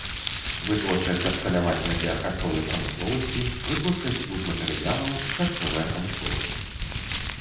Вытворчасць абсталявання для харчовай прамысловасці, вытворчасць будматэрыялаў, харчовая прамысловасць.